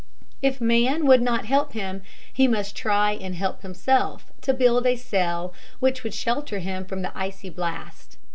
If man would not help him, he must try and help himself to build a cell which would shelter him from the icy blast.